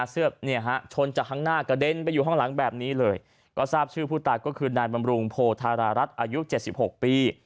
ชนจากข้างหน้ากระเด็นไปอยู่ข้างหลังแบบนี้เลยก็ทราบชื่อผู้ตายก็คือนายบำรุงโพธารารัฐอายุ๗๖ปี